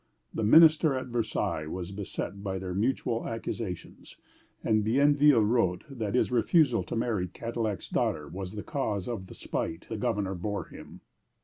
The minister at Versailles was beset by their mutual accusations, and Bienville wrote that his refusal to marry Cadillac's daughter was the cause of the spite the governor bore him.